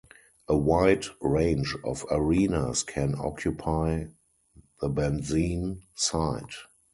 A wide range of arenes can occupy the benzene site.